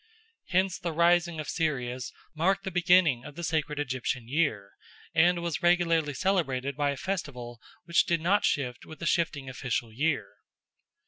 Hence the rising of Sirius marked the beginning of the sacred Egyptian year, and was regularly celebrated by a festival which did not shift with the shifting official year.